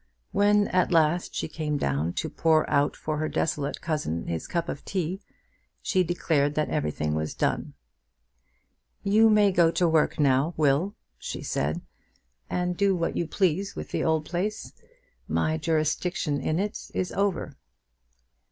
When at last she came down to pour out for her desolate cousin his cup of tea, she declared that everything was done. "You may go to work now, Will," she said, "and do what you please with the old place. My jurisdiction in it is over."